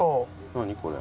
何これ？